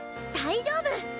大丈夫！